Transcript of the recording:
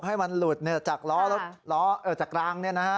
ให้มันหลุดจากราง